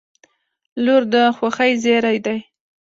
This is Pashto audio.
• لور د خوښۍ زېری دی.